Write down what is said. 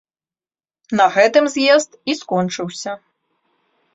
На гэтым з'езд і скончыўся.